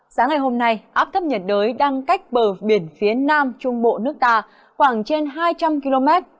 sáng ngày hôm nay áp thấp nhiệt đới đang cách bờ biển phía nam trung bộ nước ta khoảng trên hai trăm linh km